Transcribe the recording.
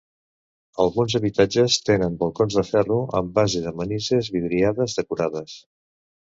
Alguns habitatges tenen balcons de ferro amb base de manises vidriades decorades.